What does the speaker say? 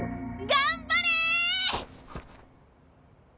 頑張れ！